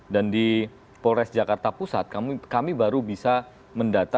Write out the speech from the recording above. dan di polres jakarta pusat kami baru bisa mendata